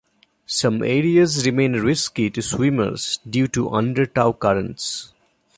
Some areas remain risky to swimmers due to under-tow currents.